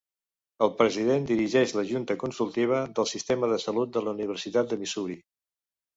El president dirigeix la junta consultiva del sistema de salut de la Universitat de Missouri.